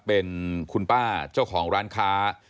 เป็นคุณป้าเจ้าของร้านค้า